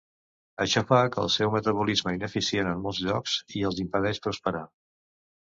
Això fa que el seu metabolisme ineficient en molts llocs i els impedeix prosperar.